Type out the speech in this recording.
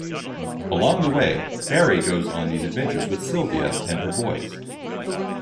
Along the way, Barrie goes on these adventures with Sylvia and her boys.